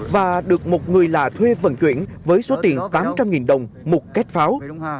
và được một người lạ thuê vận chuyển với số tiền tám trăm linh đồng một két pháo